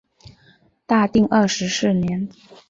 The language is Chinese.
大定二十四年。